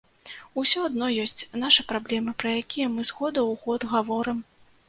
Усё адно ёсць нашы праблемы, пра якія мы з года ў год гаворым.